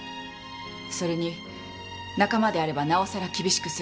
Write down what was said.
それに仲間であればなおさら厳しくする。